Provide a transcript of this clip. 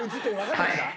はい。